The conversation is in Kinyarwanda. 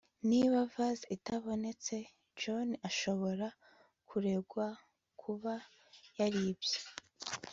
niba vase itabonetse, john ashobora kuregwa kuba yaribye